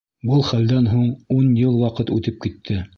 Был хәлдән һуң ун йыл ваҡыт үтеп китте.